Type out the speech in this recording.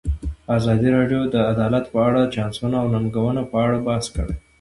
ازادي راډیو د عدالت په اړه د چانسونو او ننګونو په اړه بحث کړی.